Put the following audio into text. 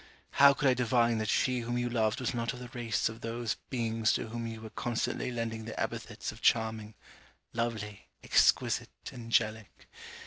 How could I divine that she whom you loved was not of the race of those beings to whom you were constantly lending the epithets of charming, lovely, exquisite angelic?